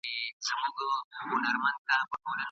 دا د ځمکې مخکې یا شاته پاتې کېږي.